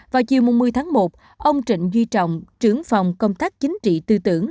vào chiều một mươi tháng một ông trịnh duy trọng trưởng phòng công tác chính trị tư tưởng